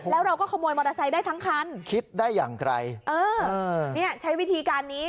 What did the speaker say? แล้วเราก็ขโมยมอเตอร์ไซค์ได้ทั้งคันคิดได้อย่างไกลเออเนี่ยใช้วิธีการนี้